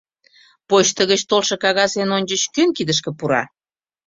Почто гыч толшо кагаз эн ончыч кӧн кидышке пура?